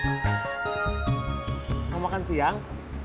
mau makan siang